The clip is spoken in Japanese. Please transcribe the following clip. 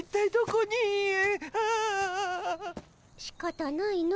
しかたないの。